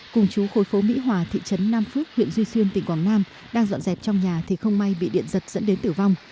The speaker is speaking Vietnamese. cùng chú khối phố mỹ hòa thị trấn nam phước huyện duy xuyên tỉnh quảng nam đang dọn dẹp trong nhà thì không may bị điện giật dẫn đến tử vong